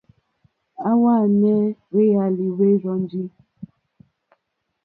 À hwànɛ́ hwɛ̀álí hwɛ́ rzɔ́njì.